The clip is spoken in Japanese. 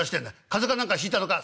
風邪か何かひいたのか？」。